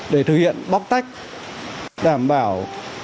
để thực hiện bóc tách đảm bảo